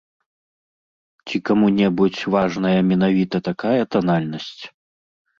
Ці каму-небудзь важная менавіта такая танальнасць?